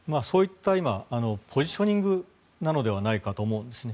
今、ポジショニングなのではないかと思うんですね。